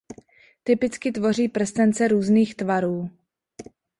Typicky tvoří prstence různých tvarů.